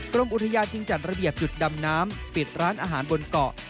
กรมอุทยานจึงจัดระเบียบจุดดำน้ำปิดร้านอาหารบนเกาะ